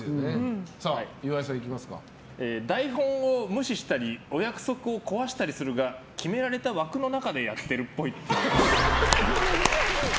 台本を無視したりお約束を壊したりするが決められた枠の中でやってるっぽい。